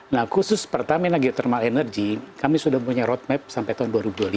nah khusus pertamina geothermal energy kami sudah punya roadmap sampai tahun dua ribu dua puluh lima